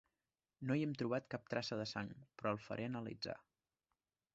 No hi hem trobat cap traça de sang, però el faré analitzar.